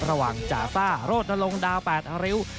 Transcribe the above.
ระหว่างจ่าซ่าโรดลงดาวแปดเร็ว